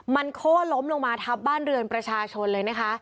มันโค้นล้มลงมาทับบ้านเรือนประชาชนเลยนะคะ